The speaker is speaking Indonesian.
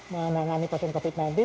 menangani pasien covid sembilan belas